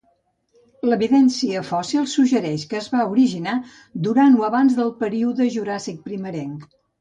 L'evidència fòssil suggereix que es van originar durant o abans del període Juràssic primerenc.